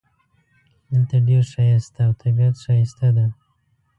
دلته ډېر ښایست ده او طبیعت ښایسته ده